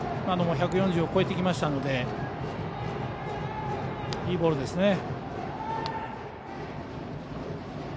今も１４０を超えてきましたのでいいボールです。